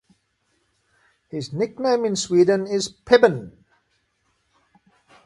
His nickname in Sweden is "Pebben".